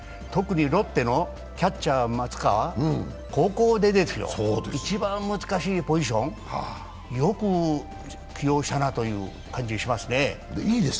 特にロッテのキャッチャー・松川、高校出ですよ、一番難しいポジション、よく起用したなという感じがしますね。